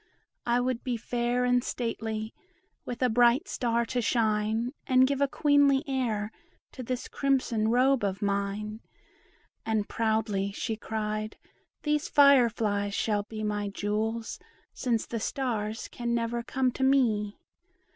I would be fair and stately, with a bright star to shine And give a queenly air to this crimson robe of mine." And proudly she cried, "These fire flies shall be My jewels, since the stars can never come to me."